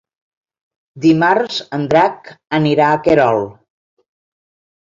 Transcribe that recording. Dimarts en Drac anirà a Querol.